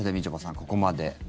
ここまで。